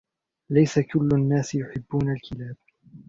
ليس كل الناس يحبون الكلاب.